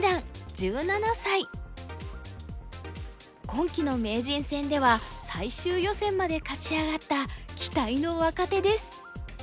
今期の名人戦では最終予選まで勝ち上がった期待の若手です。